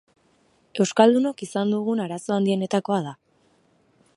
Euskaldunok izan dugun arazo handienetakoa da.